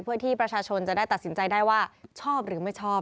เพื่อที่ประชาชนจะได้ตัดสินใจได้ว่าชอบหรือไม่ชอบ